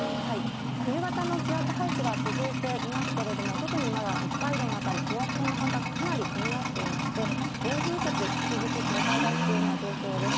冬型の気圧配置が続いていますけれども、特にまだ北海道の辺り、等圧線の間隔かなり込み合っていまして、暴風雪に引き続き警戒が必要な状況です。